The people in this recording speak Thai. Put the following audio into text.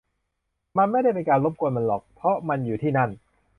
ไม่ได้เป็นการรบกวนมันหรอก เพราะมันอยู่ที่นั่น